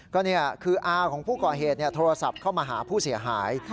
ก็คืออาของผู้ก่อเหตุโทรศัพท์เข้ามาหาผู้เสียหาย